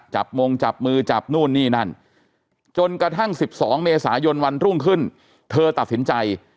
มงจับมือจับนู่นนี่นั่นจนกระทั่ง๑๒เมษายนวันรุ่งขึ้นเธอตัดสินใจ